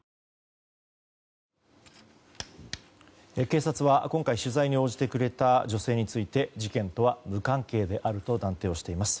警察は今回取材に応じてくれた女性について事件とは無関係であると断定をしています。